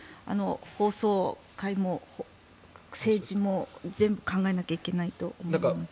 法曹界も政治も全部考えないといけないと思います。